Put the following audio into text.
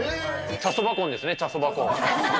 茶そば婚ですね、茶そば婚。